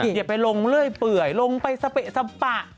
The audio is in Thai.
อย่าไปลงเรื่อยเปื่อยลงไปสเปะสปะ